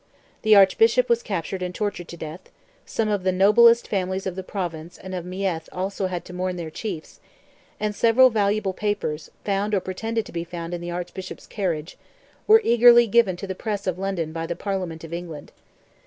The Archbishop was captured and tortured to death; some of the noblest families of the province and of Meath had also to mourn their chiefs; and several valuable papers, found or pretended to be found in the Archbishop's carriage, were eagerly given to the press of London by the Parliament of England.